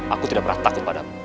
aku tidak pernah takut padamu